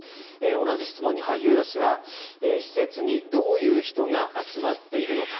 同じ質問に萩生田氏は施設にどういう人が集まっているのか。